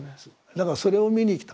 だからそれを見に来た。